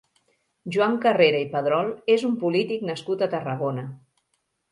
Joan Carrera i Pedrol és un polític nascut a Tarragona.